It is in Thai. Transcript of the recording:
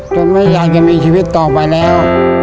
ไม่อยากจะมีชีวิตต่อไปแล้ว